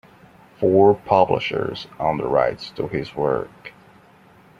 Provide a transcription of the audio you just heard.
Four publishers own the rights to his work.